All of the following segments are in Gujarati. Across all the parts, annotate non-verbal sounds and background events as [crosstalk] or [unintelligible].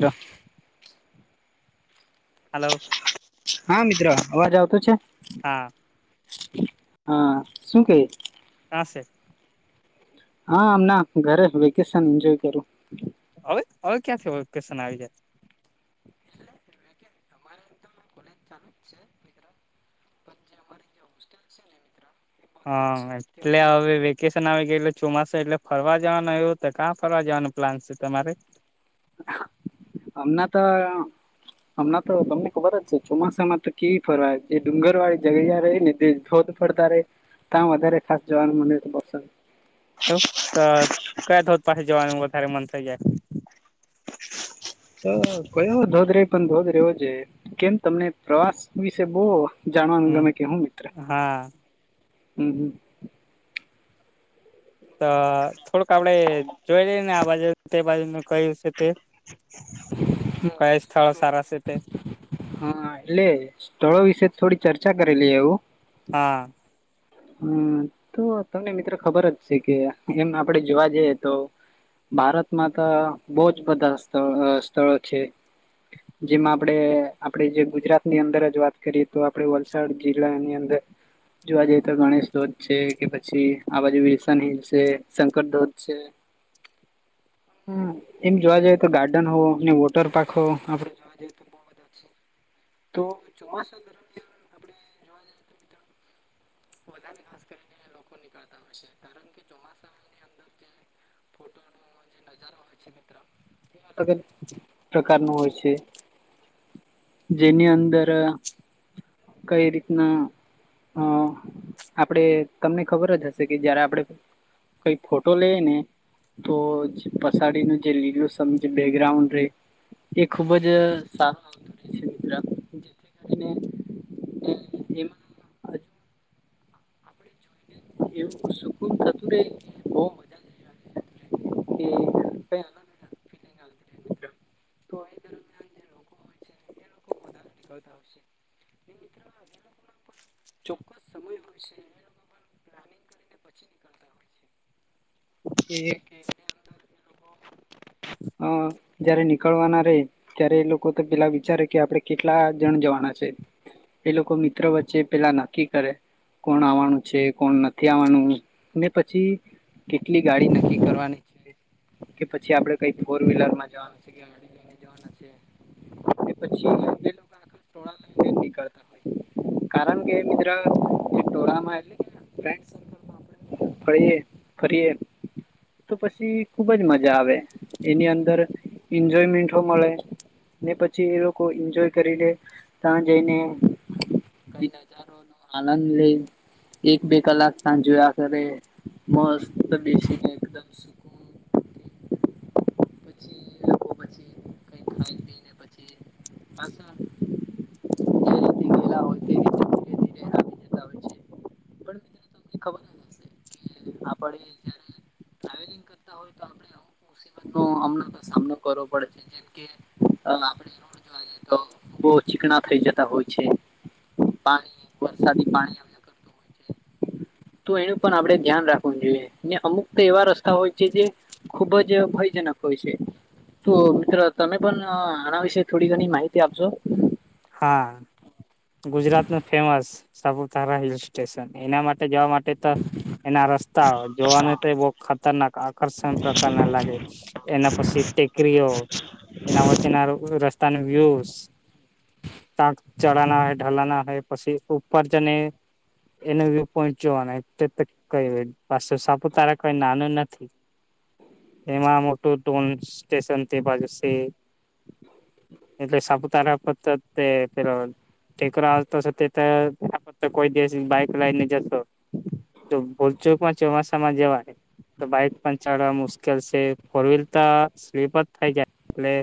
રા હલો. હા મિત્ર અવાજ આવતો છે? હા. હા શું કેય? કા શે? હા હમણા ઘરે વેકેશન એન્જોય કરું. અવે અવે ક્યાંથી વકેશન આવી જાય? [inaudible] લે ચાલુ છે? હા એટલે હવે વે વેકેશન આવી ગયલુ એટલે ચોમાસો એટલે ફરવા જવાનું એવુ તો ક્યાં ફરવા જવાનું પ્લાન છે તમારે? અમના તો હમણાં તો તમને ખબર જ છે ચોમાસામાં તો કેવી ફરવાય જે ડુંગર વાળી જગ્યા રેય ને તે ફર પડતા રે ત્યાં વધારે ખાસ જવાનું મને તો પસંદ [unintelligible] તો કયાં ધોધ પાહે જવાનું વધારે મન થઈ જાય? તો કયો ધોધ રહે પન ધોધ રહેવો જોઈએ. કેમ તમને પ્રવાસ વિશે બો જાણવાનું હમ ગમે કે હુ મિત્ર હા હમ્મ હમ્મ ત થોડુંક આપડે જોવા જઈને આ બાજુ તે બાજુ મે કહિસ કે તે કઈ સ્થળ સારા છે તે હા એટલે સ્થળો વિશે થોડી ચર્ચા કરેલી એવું? હા. હમ્મ તો તમને મિત્ર ખબર જ છે, કે એમ આપડે જોવા જઈએ તો ભારતમાં તો બો જ બધા સ્થ અ સ્થળો છે. જેમાં આપડે આપડે જે ગુજરાતની અંદર જ વાત કરીએ તો આપડે વલસાડ જિલ્લાની અંદર જોવા જઈએ તો ગણેશ શોધ છે, કે પછી આ બાજુ વી સન હીલ છે, શંકર ધ્વજ છે. હ એમ જોવા જઈએ તો ગાર્ડન હો વોટર પાર્ક હો આપ તો [unintelligible] [inaudible] બધા ખાસ કરીને લોકો નીકળતા હોશે કારણ કે ચોમાસામાં ફોટો ન છે મિત્ર [unintelligible] [inaudible] પ્રકારનું હોય છે, જેની અંદર કઈ રીતના અ આપડે તમને ખબર જ હશે કે જયારે આપડે કઈ ફોટો લે ને તોજ પસાડી ન જે લીલુ સ બેકગ્રાઉન્ડ રેય એ ખુબ જ સારું આવતું રહે છે, મીત્ર ને એ એમાં એવું સુકુન થતુ રે બો [unintelligible] એ [unintelligible] તોયે [unintelligible] [inaudible] ચોક્કસ સમય હોય છે. છે. એક એક હ જયારે નીકળવાના રે ત્યારે એ લોકો તો પેલા વિચારે કે આપડે કેટલા જણ જવાના છે. એ લોકો મિત્રો વચ્ચે પેલા નક્કી કરે. કોણ આવવાનું છે, કોણ નથી આવવાનું ને પછી કેટલી ગાડી નક્કી કરવાની છે, કે પછી આપડે કઈ ફોર વ્હીલર માં જવાનું છે કે લઈને જવાના છે કે પછી એ લોકા ના ટોળા નીકળતા હોય કારણ કે મિત્ર જે ટોળામાં [inaudible] ફ્રેન્ડ સર્કલમાં આપ ફરીએ ફરીએ તો પછી ખુબ જ મજા આવે. એની અંદર એન્જોયમેન્ટો મળે. ને પછી એ લોકો એન્જોય કરી લે ત્યાં જઈને. કઈ નજારો નો આનંદ લે. એક બે કલાક સાંજ આખરે મસ્ત બેસી ગ પછી [inaudible] પાસ [inaudible] ધીરે આવી જતા હોય છે પણ પડી હોય તો આપડણે આવું નમ સામનો કરવો પડે છે જેમ કે આપે રોડ જોવા તો બહ ચીકણા થઇ જતા હોય છે પાણી વરસાદી પાણી કરતું હોય છે તો એનું પણ આપડે ધ્યાન રાખવનું જોઈએ ને અમુક તો એવા રસ્તા હોય છે જે ખુબ જ ભય નખય છે તો મિત્ર તમે પણ આના વિશે થોડી ઘણી માહિતી આપશો હા ગુજરાત ન ફેમસ સાપુતારા હિલ સ્ટેશન એના માટે જવા માટે એના રસ્તા જોવાનું તો બ ખતરનાક આકર્ષણ પ્રકાર ના લાગે એના પછી ટેકરીઓ એના વચના રસ્તાની વ્યુ તાક ચડાના હોય ઢલાના હોય પછી ઉપર જને એના વ્યુ પોઈન્ટ જોવાના કઈ પાસ સાપુતારા કઈ નાનું નથી એેમ મોટુ ડોન સ્ટેશનથી બાજસે એટલે સાપુતારા પર પેલો ટેકરો આવતો તે તો આપ તો કોઈ દિવસ બાઈક લઈને જતો તો ભોલચોક માં ચોમાસામાં જવાની તો બાઈક પણ ચડવા મુશ્કેલ છે ફોર વ્હીલ તો સ્લીપ જ થાય જાય એટલે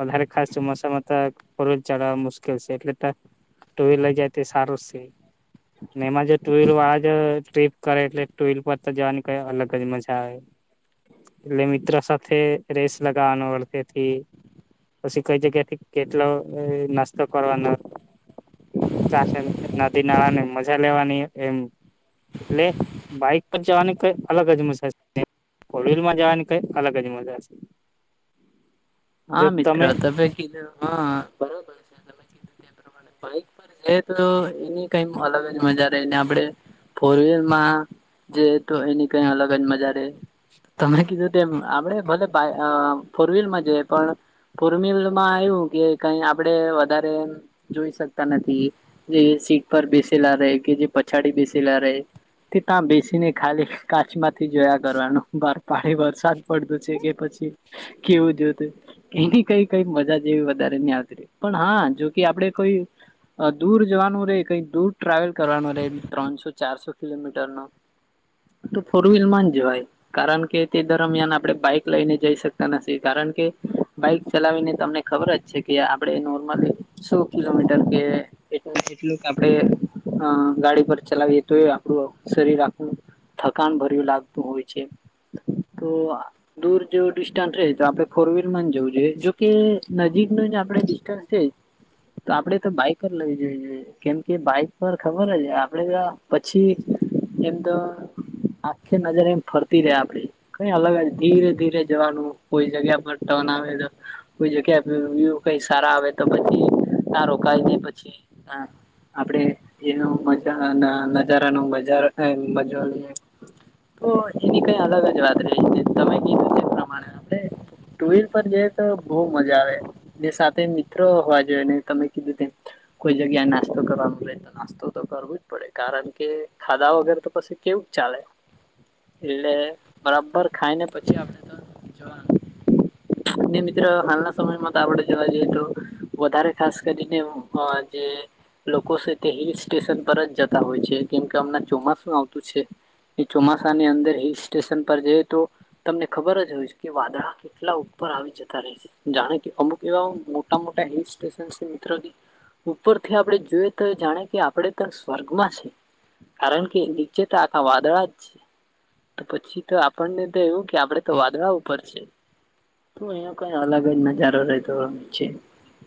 વધારે ખાસશ મસાામાંત ચડવા મુશ્કેલ છે એટલે તો ટુ વ્હીલર જાય તે સારો છે એમાં જો ટુઈલ વાળ ટ્રીપ કરે એટલે ટુવલ પર તો જવાની કઈ અલગ જ મજા આવે એટલે મિત્ર સાથે રેસ લગાવાનો અડધેથી પછી કઈ જગ્યાથી કેટલો નાસ્તો કરવાનો. ચ નદી નાળા ને મજા લેવાની એમ એટલે બાઈક પર જવાની કઈ અલગ જ મજાજ કોડવીલમાં જવાની કઈ અલગ જ મજાશે હા મિત્રો ત હ [unintelligible] [unintelligible] એ તો એની કઈ અલગ જ મજા રહીને આપણે ફોર વ્હીલમાં જે તો એની કઈ અલગ જ મજા રહે. તમે કીધું એમ આપડે ભલે ફોર વ્હીલમાં જે પણ ફોર વીલમાં આવું કે કઈ આપડે વધારે જોઈ શકતા નથી જે સીટ પર બેસેલા રહે કે જે પછાડી બેસેલા રહે. તે ત્યાં બેસીને ખાલી કાચ માંથી જોયા કરવાનું બ પાડી વરસાદ પડતો છે કે પછી કેવું જો તે એની કઈ કઈ મજા જેવી વધારે નહી આવતી પણ હા જો કે આપડે કોઈ દૂર જવાનું રહેે કઈક દૂર ટ્રાવેલ કરવાનું રહે ત્રણસો ચારસો કિલોમીટર ન તો ફોર વ્હીલ માં જ જવાય. કારણ કે તે દરમિયાન આપણે બાઈક લઈને જઈ શકતા નથી કારણ કે બાઈક ચલાવીને તમને ખબર જ છે કે આપણે નોર્મલી સો કિલોમીટર કે એટ એટલું કે આપડે ગાડી પર ચલાવીએ તો એ આપડું શરીર આખું થકાન ભર્યું લાગતું હોય છે તો દૂર જો ડિસ્ટન્સ રહે તો આપડે ફોર વ્હીલ જવું જોઈએ જોકે નજીક ન જે આપડે ડિસ્ટન્સ છે. તો આપડે તો બાઈક લઈ જોઈએ. કેમ કે બાઈક પર ખબર જ આપડે ત્યા પછી એમ તો આખી નજર એમ ફરતી રે આપડી કઈ અલગ જ ધીરે ધીરે જવાનું કોઈ જગ્યા મોટો ટન આવે તો કોઈ જગ્યા કઈ સારા આવે તો પછીના રોકાય છે પછી. હા આપડે એનું મજા નજારાન બજારો મજ એની કઈ અલગ જ વાત રહી તમે કીધું તે પ્રમાણે આપણે ટુલ પર જઈએ તો બહુ મજા આવે સાથે મિત્રો હોવા જોઈએ ને તમે કીધુ કોઈ જગ્યા નાસ્તો કરવા નાસ્તો તો કરવું જ પડે કારણ કે ખાધા વગર તો પછી કેવું ચાલે એટલે બરાબર ખાઈને પછી આપડે તો જવાનું. ને મિત્રો હાલના સમયમાં તો આપડે જોવા જઈએ તો વધારે ખાસ કરીને જે લોકો છે તે હિલ સ્ટેશન પરજ જતા હોય છે કેમ કે અમને ચોમાસું આવતું છે. એ ચોમાસાની અંદર હિલ સ્ટેશન પર જઈ તો તમને ખબર જ હોય કે વાદળા કે કેટલા ઉપર આવી જતાર જાણે કે અમુક એવા મોટા મોટા હિલ સ્ટેશન મિત્ર ઉપરથી આપણે જોઈએ તો જાણે કે આપડે તો સ્વર્ગમાં છે. કારણ કે નીચે તો આંખા વાદળા જ તો પછી તો આપણને તો એવું કે આપડે તો વાદળ ઉપર છે. તું અહીયા કઈ અલગ જ નજારો રહેતો હો છે.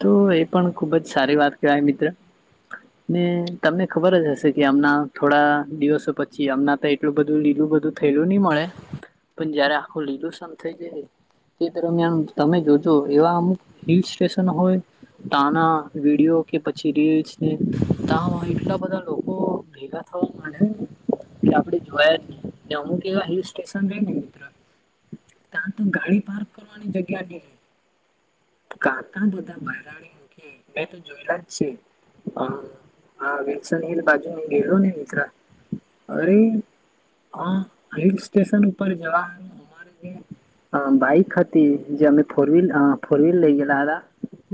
તો એ પણ ખુબ જ સારી વાત કહેવાય મિત્ર ને તમને ખબર જ હશે કે આમના થોડા દિવસો પછી અમના એટલું બધું લીલું બધું થયેલું નહી મળે પણ જયારે આખું લીલું શમ થઇ જાય. તે દરમિયાન તમે જોજો એવા અમુક હિલ સ્ટેશન હોય. તાના વિડીયો કે પછી રીલસ ને તાના એટલા બધા લોકો ભેગા [unintelligible] એ આપડે જોયા જ એ અમુકવા હિલ સ્ટેશન ર ને મિત્ર. ત્યાં તો ગાડી પાર્ક કરવાની જગ્યા નઈ રહી. કાકા બધા બરાડી મ કે મેં તો જોયેલા જ છે. હા વલસન હી લ બાજુ ન ગેલો ને મિત્ર અરે હા હિલ સ્ટેશન પર જવા બાઈક હતી જે અમે ફોર વ્હીલ ફોર વ્હીલર લઇ ગેલા હતા.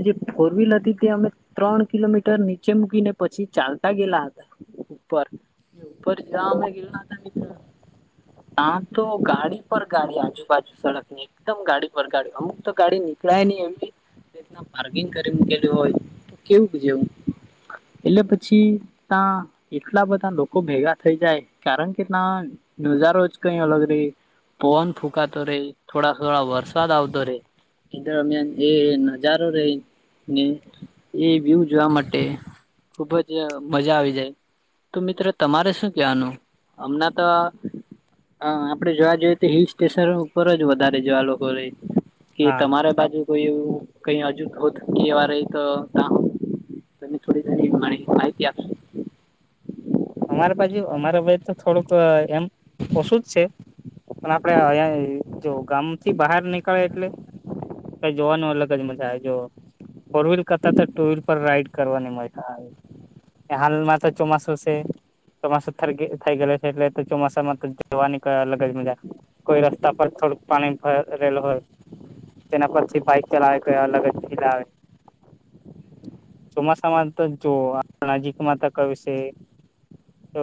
જે ફોર વ્હીલરથી તે અમે ત્રણ કિલોમીટર નીચે મૂકીને પછી ચાલતા ગયેલા હતા. ઉપ ઉપર એ ઉપ ઉપર જમાં ગલા ત્યાં તો ગાડી પર ગાડી આજુબાજુ સડક ની. એકદમ ગાડી પર ગાડી અમુક તો ગાડી નીકળાયે નહી એવી. [unintelligible] બગિન કરી મૂકેલલી હોય તો કેવું છે હું એટલે પછી. ત્યા એટલા બધા લોકો ભેગા થઈ જાય કારણ કે ત્યા. નજારો જ કઈ અલગ રે પવન ફુકાતો રે થોડા થોડા વરસાદ આવતો રે એ દરમિયાન એ નજારો રે ને. એ વ્યુ જોવા માટે ખુબ જ મજા આવી જાય. તો મિત્રો તમારે શું જાણવુ હમણાં તો. હા આપડે જોવા જોઈએ તો હિલ સ્ટેશન ઉપર જ વધારે જોવા લોકો રહે કે હા તમારે બાજુ. કોઈ એવું ક હજુત હોકીવા ર તો ત. [unintelligible] તમે થોડી ઘણી માહિતી આપશો. અમારી બાજુ અમારા બાાઈ તો થોડુંક એમ ઓછું જ છે. પણ આપડે અં જો ગામ થી બહાર નીકળે એટલે. કઈ જોવાનું અલગજ મજા આવે જો ફોર વ્હીલ કરતાં તો ટુ વ્હીલ પર રાઈડ કરવાની મજા આવે. હાલ માં તો ચોમાસુ છે ચોમાસું થ થઈ ગયે છે એટલે તો ચોમાસામાં તો જવાની અલગજ મજા. કોઈ રસ્તા પર થોડુંક પાણી ભરેલું રહેલ હોય. તેના પરથી બાઈક ચલાવે કો અલગ જ ફીલ આવે. ચોમાસામાં તો નજીક માં તો કયું છે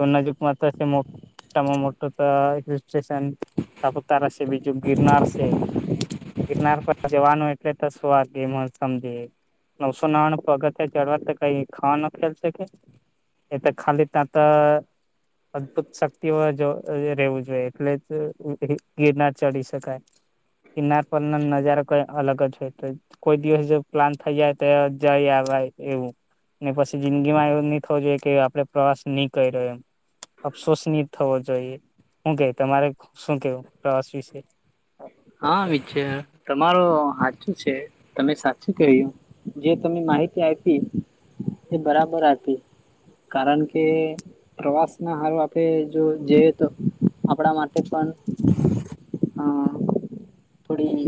એ નજીક માત્ર. [unintelligible] માં મોટો હિલસ્ટેશન તો સાપુતારા છે બીજું ગિરનાર છે. ગિરનાર પર જવાનું એટલે તો શુંવાે સમજી [unintelligible] નવસો નાણું અગત્ય ચડવા તો કઈ ખાવા ન ખેલ છે કે એ તો ખાલી ત [unintelligible] અદભુત શક્તિઓ જો રહેવું જોઈએ એટલે જ ગીરનાર ચડી શકાય ગીરનાર પરનો નજારો કઈ અલગ જ હોય તો કોઈ દિવસ જો પ્લાન થઈ જાય તો જઈ આવે એવું ને પછી જિંદગી માં એવું નહી થવું જોઈએ કે આપડે પ્રવાસ નહી કર્યો એમ અફસોસ ની થવો જોઈએ શું ક તમારે શું કેવું પ્રવાસ વિશે હામિત છે [unintelligible] તમારો સાચું છે તમે સાચું કહ્યું જે તમે માહિતી આપી એ બરાબર આપી કારણ કે પ્રવાસ ના હારો આપણે જો જઈએ તો આપણા માટે પણ હમ થોડી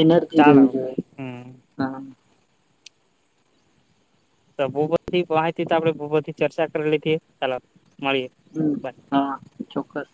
એનર્જી ચાલો રહેવી જોઈએ હમ હા તો બહુ બધી માહિતી આપડે બહુ બધી ચર્ચા કરીે લીધીએ ચાલો મળીએ હમ બાય હા ચોક્કસ